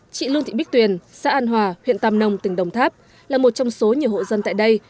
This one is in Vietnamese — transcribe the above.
chị lương thị bích tuyền xã an hòa huyện tàm nông tỉnh đồng tháp là một trong số nhiều hộ dân tại đây